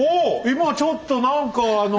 今ちょっと何かあの。